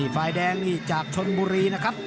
ฟายแดงจากชนบุรีนะครับ